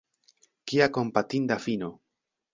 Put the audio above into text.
Kia kompatinda fino!